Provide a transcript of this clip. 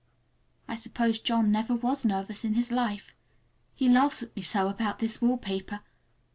I suppose John never was nervous in his life. He laughs at me so about this wallpaper!